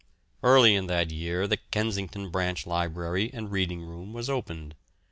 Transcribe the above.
Early in that year the Kensington Branch Library and Reading room was opened.